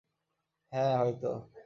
হ্যাঁ, হয়তো।